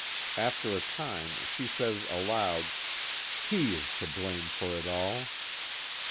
After a time she says aloud: "He is to blame for it all."